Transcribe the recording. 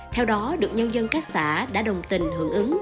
theo đó được nhân dân các xã đã đồng tình hưởng ứng